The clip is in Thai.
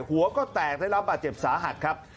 หัวก็แตกได้รับบาดเจ็บสาหัสครับ